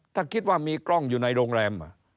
ถ้าคิดว่ามีกล้องอยู่ในโรงแรม